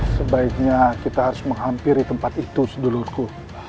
sebaiknya kita harus menghampiri tempat itu sedulurku